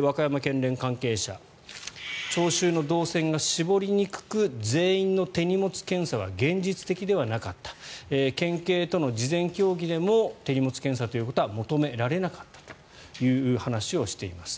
和歌山県連関係者聴衆の動線が絞りにくく全員の手荷物検査は現実的ではなかった県警との事前協議でも手荷物検査ということは求められなかったという話をしています。